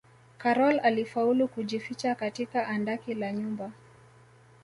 karol alifaulu kujificha katika andaki la nyumba